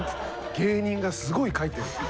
芸人がすごい書いてる。